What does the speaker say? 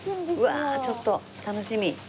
わあちょっと楽しみ。